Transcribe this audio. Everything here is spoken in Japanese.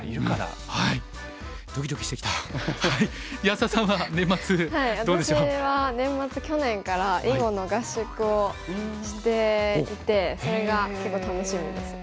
私は年末去年から囲碁の合宿をしていてそれが結構楽しみですね。